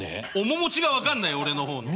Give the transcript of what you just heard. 面持ちが分かんない俺の方の。